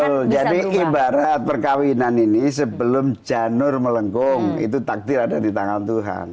betul jadi ibarat perkawinan ini sebelum janur melengkung itu takdir ada di tangan tuhan